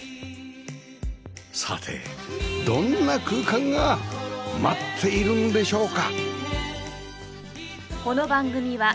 さてどんな空間が待っているんでしょうか？